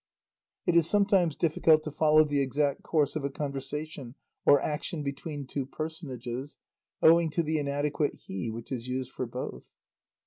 It is sometimes difficult to follow the exact course of a conversation or action between two personages, owing to the inadequate "he" which is used for both.